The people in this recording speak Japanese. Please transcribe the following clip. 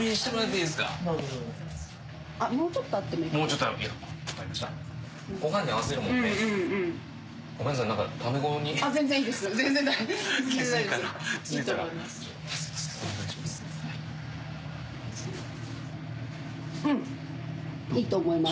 いいと思います。